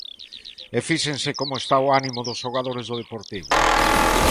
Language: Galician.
E fíxense como está o ánimo dos xogadores do Deportivo.